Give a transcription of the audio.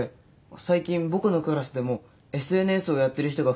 最近僕のクラスでもＳＮＳをやってる人が増えたんですよ。